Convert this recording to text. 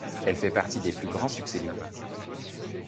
Elle fait partie des plus grands succès du groupe.